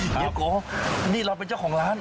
เดี๋ยวโกนี่เราเป็นเจ้าของร้าน